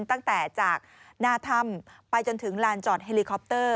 ตั้งแต่จากหน้าถ้ำไปจนถึงลานจอดเฮลิคอปเตอร์